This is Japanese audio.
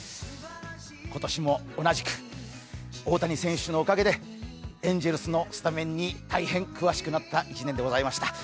今年も同じく、大谷選手のおかげでエンジェルスのスタメンに大変詳しくなった１年でございました。